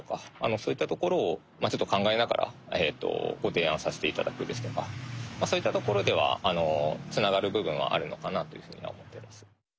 そういったところをまあちょっと考えながらそういったところではつながる部分はあるのかなというふうには思っています。